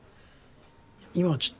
今はちょっと。